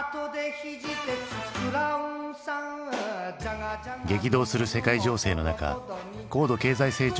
激動する世界情勢の中高度経済成長が続く日本。